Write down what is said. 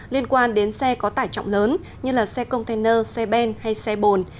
liên quan đến xe có tải trọng lớn như xe container xe ben hay xe bồn